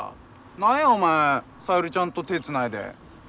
何やお前小百合ちゃんと手ぇつないで。